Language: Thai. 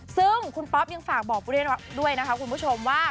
ซึ่งคุณป๊อปยังฝากบอกด้วยนะคะคุณผู้ชมว่า